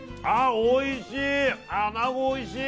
おいしい！